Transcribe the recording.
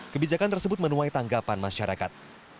kebijakan tersebut menuai tanggapan masyarakat